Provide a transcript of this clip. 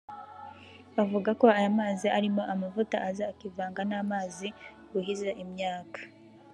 uvuga ko aya mazi arimo amavuta aza akivanga n’amazi buhiza imyaka